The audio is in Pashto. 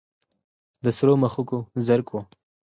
د سرو مشوکو زرکو